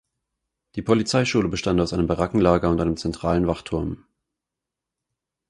Die Polizeischule bestand aus einem Barackenlager und einem zentralen Wachturm.